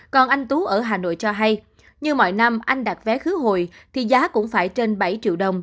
còn anh tú ở hà nội cho hay như mọi năm anh đặt vé khứ hồi thì giá cũng phải trên bảy triệu đồng